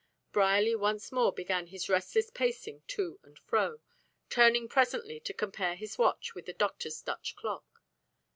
Brierly once more began his restless pacing to and fro, turning presently to compare his watch with the doctor's Dutch clock.